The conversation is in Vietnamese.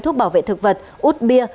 thuốc bảo vệ thực vật út bia